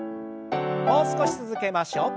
もう少し続けましょう。